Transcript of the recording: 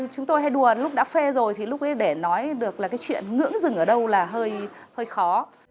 chúng tôi hay đùa lúc đã phê rồi thì lúc ấy để nói được là cái chuyện ngưỡng rừng ở đâu là hơi hơi khó